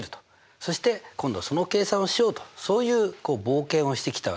そして今度その計算をしようとそういう冒険をしてきたわけですよ。